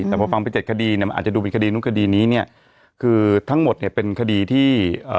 แต่พอฟังไป๗คดีอาจจะดูเป็นคดีนุ่มคดีนี้คือทั้งหมดเป็นคดีที่